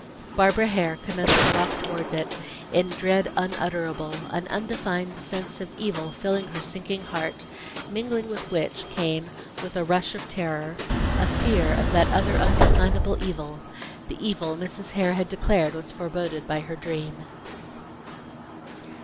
Barbara Hare commenced her walk towards it in dread unutterable, an undefined sense of evil filling her sinking heart; mingling with which, came, with a rush of terror, a fear of that other undefinable evil the evil Mrs. Hare had declared was foreboded by her dream.